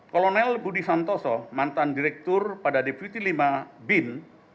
kolonel budi santoso mantan direktur pada deputi lima bin